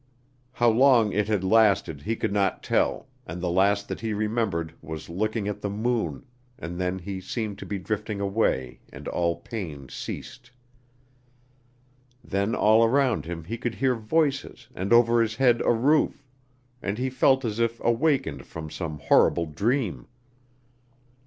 How long it had lasted he could not tell, and the last that he remembered was looking at the moon, and then he seemed to be drifting away and all pain ceased. Then all around him he could hear voices and over his head a roof, and he felt as if awakened from some horrible dream.